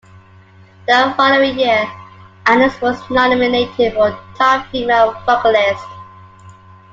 The following year, Adams was nominated for Top Female Vocalist.